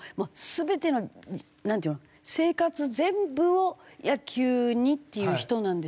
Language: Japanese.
生活全部を野球にっていう人なんでしょ？